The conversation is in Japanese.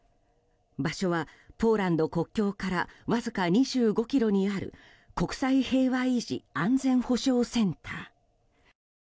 場所はポーランド国境からわずか２５ｋｍにある国際平和維持安全保障センター。